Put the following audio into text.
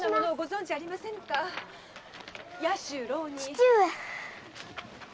父上！